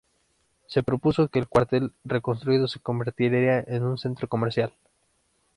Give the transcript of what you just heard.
Se propuso que el cuartel reconstruido se convirtiera en un centro comercial.